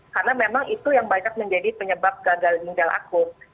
karena memang itu yang banyak menjadi penyebab gagal ginjal akut